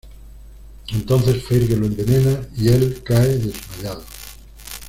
Entonces Fergie lo envenena y el cae desmayado.